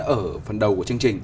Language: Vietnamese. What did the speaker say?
ở phần đầu của chương trình